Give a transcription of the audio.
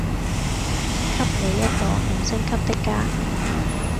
給你一個五星級的家